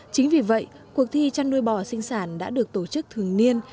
chính vì vậy cuộc thi chăn nuôi bò sinh sản đã được tổ chức thường niên